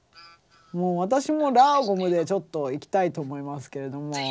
私もＬａｇｏｍでちょっといきたいと思いますけれども。